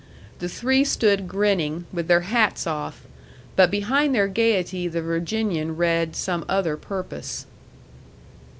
The three stood grinning, with their hats off; but behind their gayety the Virginian read some other purpose.